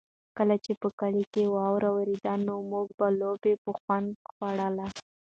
کله چې په کلي کې واوره ورېده نو موږ به لوبیا په خوند خوړله.